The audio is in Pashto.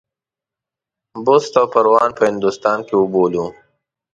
بُست او پروان په هندوستان کې وبولو.